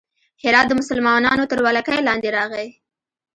هرات د مسلمانانو تر ولکې لاندې راغی.